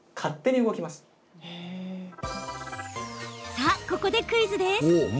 さあ、ここでクイズです。